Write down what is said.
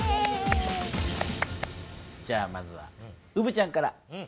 まずはうぶちゃんから。